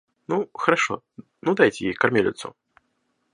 Ну, хорошо, ну дайте ей кормилицу.